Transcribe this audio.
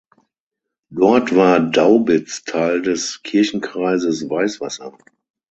Dort war Daubitz Teil des Kirchenkreises Weißwasser.